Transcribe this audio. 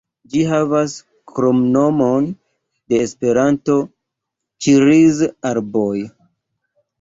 Ĝi havas kromnomon de Esperanto, "Ĉeriz-arboj".